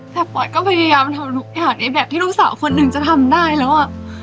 แต่ปอยก็พยายามทำทุกอย่างในแบบที่ลูกสาวคนหนึ่งจะทำได้แล้วอ่ะ